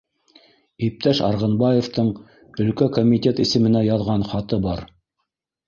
Иптәш Арғынбаевтың әлкә комитет исеменә яҙған хаты бар